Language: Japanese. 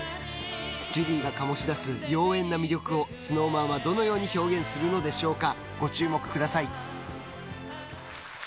ジュリーが醸し出す妖艶な魅力をＳｎｏｗＭａｎはどのように表現するのでしょうか。